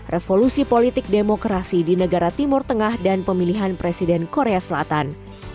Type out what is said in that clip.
revolusi politik demokrasi di negara timur tengah dan pemilihan presiden korea selatan